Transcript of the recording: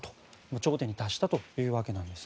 頂点に達したということです。